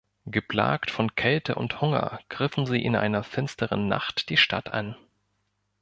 Geplagt von Kälte und Hunger griffen sie in einer finsteren Nacht die Stadt an.